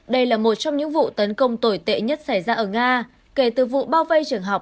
đây là một trong những vụ tấn công tồi tệ nhất xảy ra ở nga kể từ vụ bao vây trường học